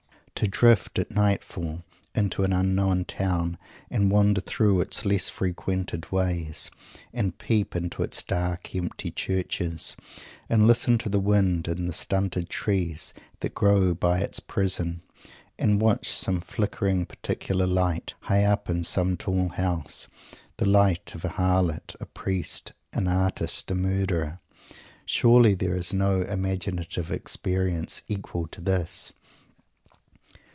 To drift at nightfall into an unknown town, and wander through its less frequented ways, and peep into its dark, empty churches, and listen to the wind in the stunted trees that grow by its Prison, and watch some flickering particular light high up in some tall house the light of a harlot, a priest, an artist, a murderer surely there is no imaginative experience equal to this!